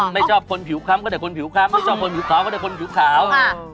ไม่ชอบคนผิวค้ำก็ได้คนผิวค้ำไม่ชอบคนผิวขาวก็ได้คนผิวขาว